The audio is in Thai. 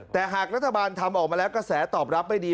แต่หากรัฐบาลทำออกมาแล้วกระแสตอบรับไม่ดี